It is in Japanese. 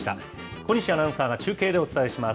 小西アナウンサーが中継でお伝えします。